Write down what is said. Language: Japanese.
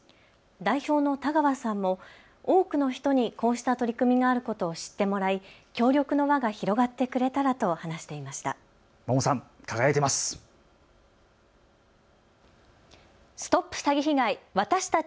代表の田川さんも多くの人にこうした取り組みのあることを知ってもらい協力の輪が広がってくれたらと話していました。